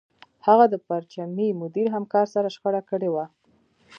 هغه د پرچمي مدیر همکار سره شخړه کړې وه